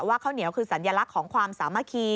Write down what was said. ข้าวเหนียวคือสัญลักษณ์ของความสามัคคี